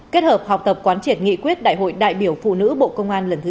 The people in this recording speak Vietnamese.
kết hợp học tập quán triệt nghị quyết đại hội đại biểu phụ nữ bộ công an lần thứ hai